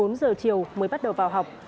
một mươi bốn h chiều mới bắt đầu vào học